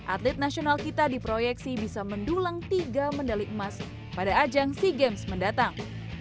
atlet nasional kita diproyeksi bisa mendulang tiga medali emas pada ajang sea games mendatang